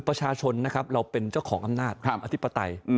ประชาชนนะครับเราเป็นเจ้าของอำนาจอธิปไตย